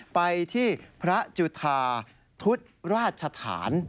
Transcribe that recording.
ไปที่พระจุธาทุศราชฐาน